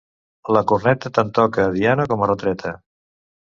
La corneta tant toca a diana com a retreta.